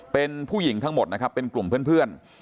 เป็นผู้หญิงทั้งหมดนะครับเป็นกลุ่มเพื่อน